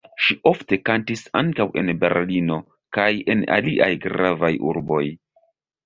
Ŝi ofte kantis ankaŭ en Berlino kaj en aliaj gravaj urboj.